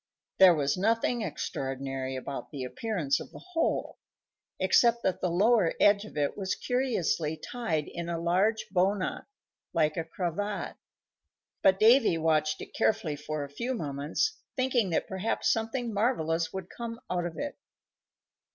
There was nothing extraordinary about the appearance of the hole (except that the lower edge of it was curiously tied in a large bow knot, like a cravat); but Davy watched it carefully for a few moments, thinking that perhaps something marvellous would come out of it.